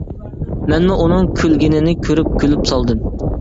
مەنمۇ ئۇنىڭ كۈلگىنىنى كۆرۈپ كۈلۈپ سالدىم.